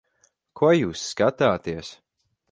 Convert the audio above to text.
Ko jūs skatāties?